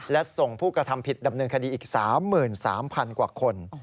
และส่งผู้กระทำผิดดำเนินคดีอีก๓๓๐๐๐กว่าคน